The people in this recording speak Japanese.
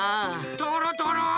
とろとろ！